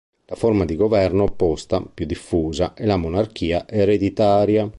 La forma di governo opposta, più diffusa, è la monarchia ereditaria.